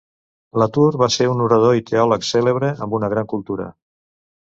La Tour va ser un orador i teòleg cèlebre, amb una gran cultura.